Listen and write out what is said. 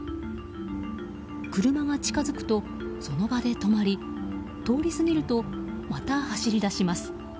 車が近づくと、その場で止まり通り過ぎると、また走り出します。